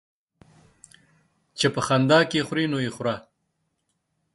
چي په خندا کې خورې ، نو يې خوره.